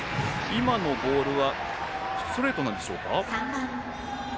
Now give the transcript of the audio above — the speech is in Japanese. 今のボールはストレートでしょうか。